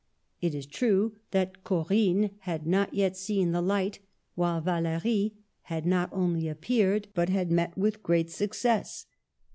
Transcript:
It is true that Corinne had not yet seen the light, while Valerie had not only appeared, but had met with great success.